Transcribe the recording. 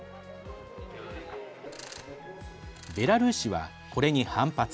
ベラルーシは、これに反発。